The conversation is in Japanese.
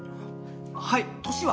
はい年は？